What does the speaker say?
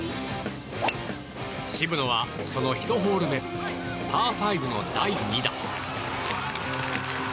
渋野は、その１ホール目パー５の第２打。